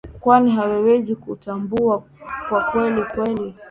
kwani hawawezi kutambua kwa kweli kweli